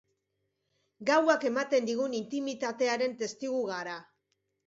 Gauak ematen digun intimitatearen testigu gara.